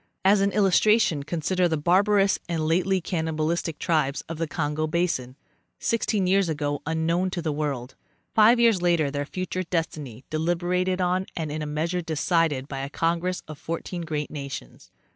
As an illustration consider the barbarous and lately cannibal istic tribes of the Congo basin, sixteen years azo unknown to the world; five years later their future destiny deliberated on and in a measure decided by a congress of fourteen great nations.